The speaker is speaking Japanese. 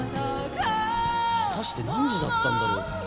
果たして何時だったんだろうって。